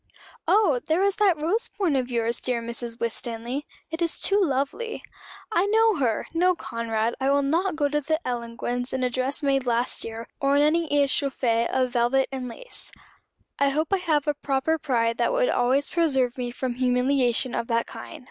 'Oh there is that rose point of yours, dear Mrs. Winstanley; it is too lovely.' I know her! No, Conrad; I will not go to the Ellangowans in a dress made last year; or in any réchauffé of velvet and lace. I hope I have a proper pride that would always preserve me from humiliation of that kind.